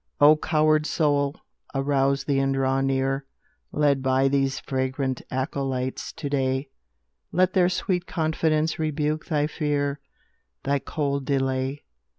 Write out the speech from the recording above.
O coward soul! arouse thee and draw near, Led by these fragrant acolytes to day! Let their sweet confidence rebuke thy fear, Thy cold delay.